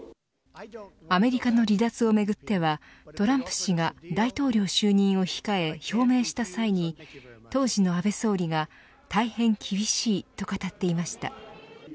アメリカの離脱をめぐってはトランプ氏が大統領就任を控え表明した際に当時の安倍総理が大変厳しい、と語っていました。